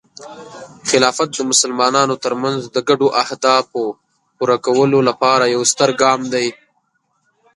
خلافت د مسلمانانو ترمنځ د ګډو اهدافو پوره کولو لپاره یو ستر ګام دی.